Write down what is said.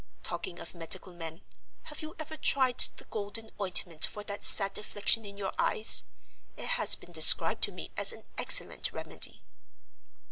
Talking of medical men, have you ever tried the Golden Ointment for that sad affliction in your eyes? It has been described to me as an excellent remedy."